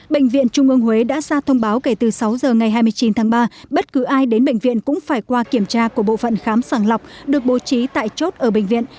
bệnh viện trung ương huế đã ra thông báo kể từ sáu giờ ngày hai mươi chín tháng ba bất cứ ai đến bệnh viện cũng phải qua kiểm tra của bộ phận khám sàng lọc được bố trí tại chốt ở bệnh viện